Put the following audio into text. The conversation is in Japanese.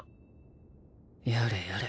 やれやれ。